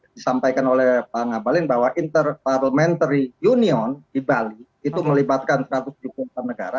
saya tadi disampaikan oleh pak ngabalin bahwa inter parliamentary union di bali itu melibatkan seratus jukum per negara